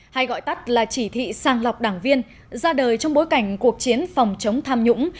hay gọi tắt là chỉ thị sàng lọc đảng viên ra đời trong bối cảnh cuộc chiến phòng chống tham nhũng